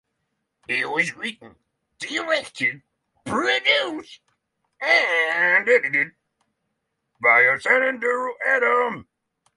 It was written, directed, produced and edited by Ozan Duru Adam.